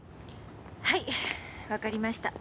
はいわかりました。